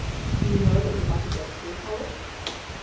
"Do you know that you ought to go through college?"